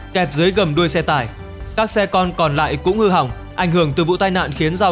kẹt dưới gầm đuôi xe tải các xe con còn lại cũng hư hỏng ảnh hưởng từ vụ tai nạn khiến giao